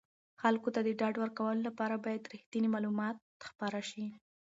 خلکو ته د ډاډ ورکولو لپاره باید رښتیني معلومات خپاره شي.